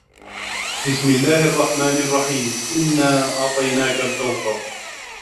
بِسمِ اللَّهِ الرَّحمنِ الرَّحيمِ إِنّا أَعطَيناكَ الكَوثَرَ